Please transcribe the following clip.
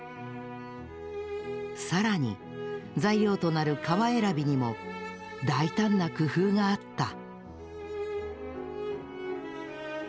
更に材料となる革選びにも大胆な工夫があった。